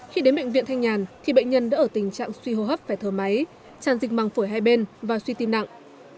khi đến bệnh viện thanh nhàn thì bệnh nhân đã ở tình trạng suy hô hấp phải thở máy tràn dịch màng phổi hai bên và suy tim nặng